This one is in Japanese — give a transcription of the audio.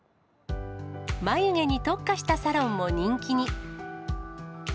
眉毛に特化したサロンも人気に。